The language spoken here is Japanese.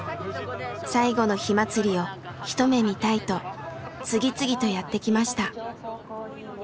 最後の火まつりを一目見たいと次々とやって来ました。